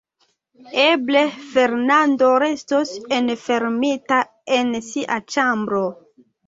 Eble Fernando restos enfermita en sia ĉambro.